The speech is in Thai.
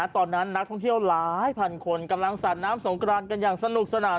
ตอนนั้นนักท่องเที่ยวหลายพันคนกำลังสาดน้ำสงกรานกันอย่างสนุกสนาน